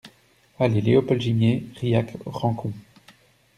Allée Léopold Gimié, Rilhac-Rancon